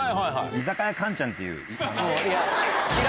居酒屋カンちゃんっていう。